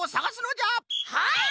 はい！